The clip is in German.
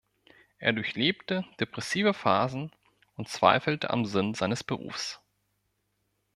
Er durchlebte depressive Phasen und zweifelte am Sinn seines Berufs.